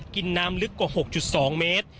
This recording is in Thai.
กินน้ำลึกกว่า๖๒เมตร